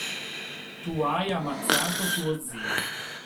Tu hai ammazzato tuo zio.